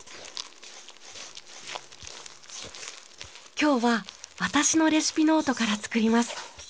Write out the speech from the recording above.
今日は私のレシピノートから作ります。